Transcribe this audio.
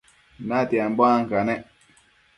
natianbo ancanec